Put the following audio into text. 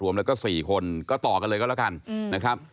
แล้วก็๔คนก็ต่อกันเลยก็แล้วกันนะครับ